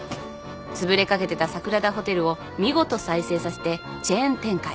つぶれかけてた桜田ホテルを見事再生させてチェーン展開。